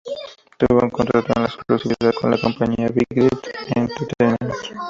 Tuvo un contrato en exclusividad con la compañía Vivid Entertainment.